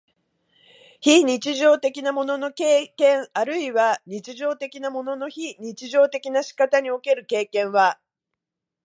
非日常的なものの経験あるいは日常的なものの非日常的な仕方における経験は、